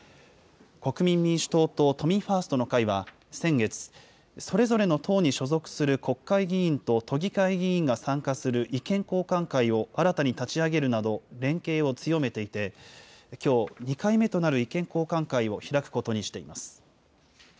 国民民主党と都民ファーストの会は先月、それぞれの党に所属する国会議員と都議会議員が参加する意見交換会を新たに立ち上げるなど、連携を強めていて、きょう、２回目となる意見交換会を開くことにしています。